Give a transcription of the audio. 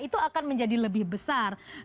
itu akan menjadi lebih besar